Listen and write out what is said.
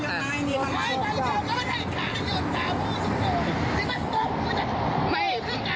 เดี๋ยวเดี๋ยวให้เราพี่นี่มา